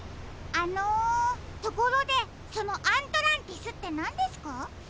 あのところでそのアントランティスってなんですか？